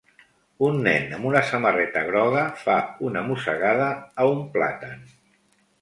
Un nen amb una samarreta groga fa una mossegada a un plàtan.